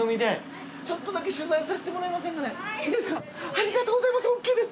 ありがとうございますＯＫです。